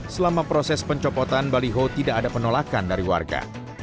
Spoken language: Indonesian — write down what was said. selama proses pencopotan baliho tidak ada penolakan dari warga